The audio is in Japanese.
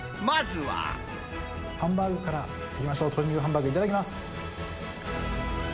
ハンバーグからいきましょう、鶏肉のハンバーグ、いただきます。